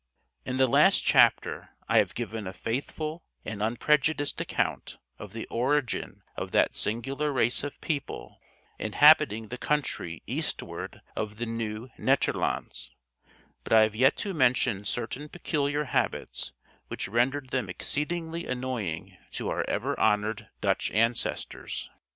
In the last chapter I have given a faithful and unprejudiced account of the origin of that singular race of people inhabiting the country eastward of the Nieuw Nederlandts, but I have yet to mention certain peculiar habits which rendered them exceedingly annoying to our ever honored Dutch ancestors.